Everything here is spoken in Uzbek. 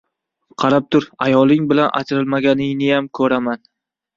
Qarab tur, ayoling bilan ajralmaganingniyam ko‘raman!